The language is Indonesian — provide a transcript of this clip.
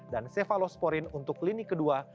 dan cefalosporin untuk lini kedua